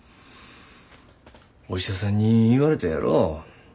お医者さんに言われたやろ。